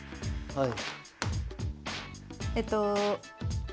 はい。